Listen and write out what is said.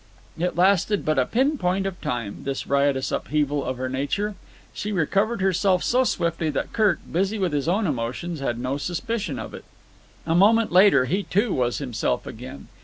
It lasted but a pin point of time, this riotous upheaval of her nature. She recovered herself so swiftly that Kirk, busy with his own emotions, had no suspicion of it. A moment later he, too, was himself again.